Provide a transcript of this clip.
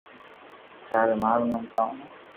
: ٿاري مان رو نوم ڪاؤ ھي